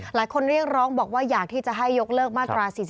เรียกร้องบอกว่าอยากที่จะให้ยกเลิกมาตรา๔๔